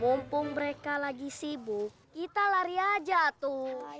mumpung mereka lagi sibuk kita lari aja tuh